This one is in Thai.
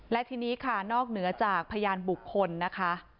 และทีนี้ค่ะนอกเหนือจากพยานบุคคลนะคะ